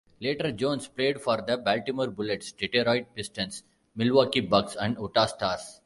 Later, Jones played for the Baltimore Bullets, Detroit Pistons, Milwaukee Bucks and Utah Stars.